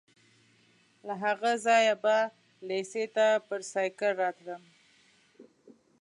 له هغه ځایه به لېسې ته پر سایکل راتلم.